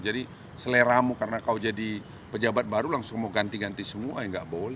jadi seleramu karena kau jadi pejabat baru langsung mau ganti ganti semua ya nggak boleh